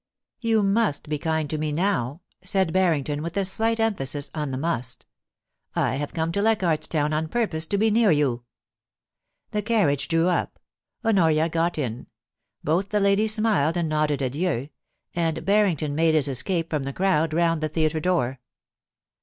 * You must be kind to me now,' said Barrington, with a slight emphasis on the * must' * I have come to Leichardt's Town on purpose to be near you ...' The carriage drew up. Honoria got in ; both the ladies smiled and nodded adieu, and Barrington made his escape from the crowd round the theatre door.